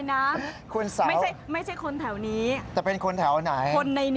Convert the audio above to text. อะไรนะไม่ใช่คนแถวนี้คนในนี้เลยแต่เป็นคนแถวไหน